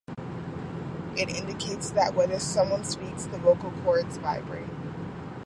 It indicates that whenever someone speaks, the vocal chords vibrate.